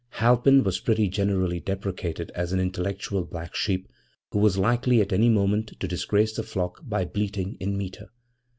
Halpin was pretty generally deprecated as an intellectual black sheep who was likely at any moment to disgrace the flock by bleating in metre.